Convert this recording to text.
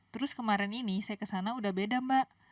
terus kemarin ini saya kesana udah beda mbak